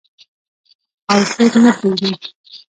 او څوک نه پریږدي.